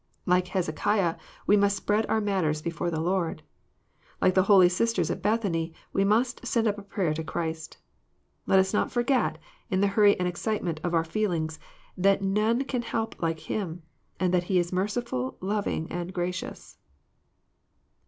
Like Hezekiah, we must spread our matters before the Loi*d. Like the holy sisters at Bethany, we must send up a prayer to Christ. Let us not forget, in the hurry and excitement of our feel ings, that none can help like Him, and that He is merciful, loving, and gracious.